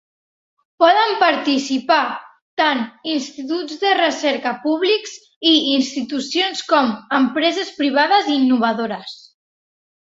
Poden participar tant instituts de recerca públics i institucions com empreses privades innovadores.